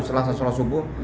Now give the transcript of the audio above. setelah saya soal subuh